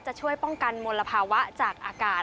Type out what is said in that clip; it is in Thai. จะช่วยป้องกันมลภาวะจากอากาศ